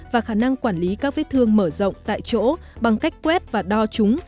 và khả năng quản lý các vết thương mở rộng tại chỗ bằng cách quét và đo chúng